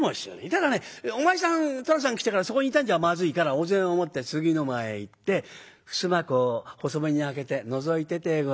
ただねお前さん寅さん来たらそこにいたんじゃまずいからお膳を持って次の間へ行って襖こう細めに開けてのぞいててごらん。